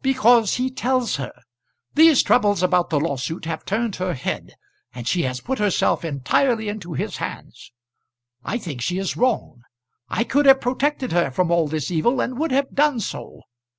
"Because he tells her. These troubles about the lawsuit have turned her head, and she has put herself entirely into his hands. I think she is wrong. I could have protected her from all this evil, and would have done so.